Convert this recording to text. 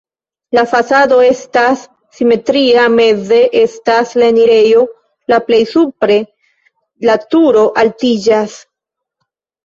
La fasado estas simetria, meze estas la enirejo, la plej supre la turo altiĝas.